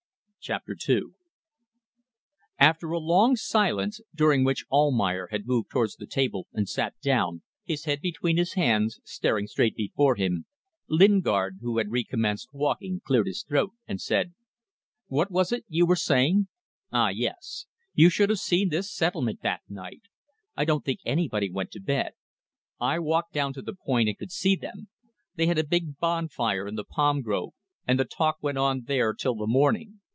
CHAPTER TWO After a long silence, during which Almayer had moved towards the table and sat down, his head between his hands, staring straight before him, Lingard, who had recommenced walking, cleared his throat and said "What was it you were saying?" "Ah! Yes! You should have seen this settlement that night. I don't think anybody went to bed. I walked down to the point, and could see them. They had a big bonfire in the palm grove, and the talk went on there till the morning.